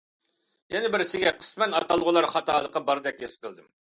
يەنە بىرسىگە قىسمەن ئاتالغۇلار خاتالىقى باردەك ھېس قىلدىم.